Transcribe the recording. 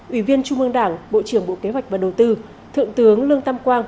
ủy viên trung ương đảng bộ trưởng bộ kế hoạch và đầu tư thượng tướng lương tam quang